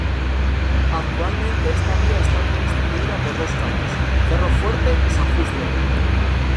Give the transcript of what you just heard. Actualmente esta vía está constituida por dos calles, Cerro fuerte y San Justo.